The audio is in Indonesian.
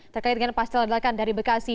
terkait dengan pasca ledakan dari bekasi